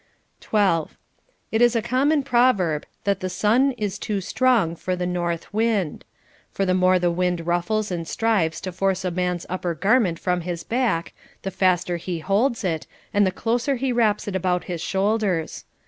12. It is a common proverb, that the sun is too strc ng for the north wind ; for the more the wind ruffles and strives to force a mans upper garment from his back, the faster he holds it, and the closer he wraps it about his shoulders.